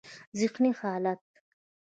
ذهني حالت: